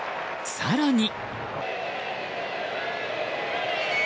更に。